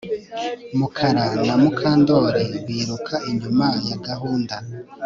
Mukara na Mukandoli biruka inyuma ya gahunda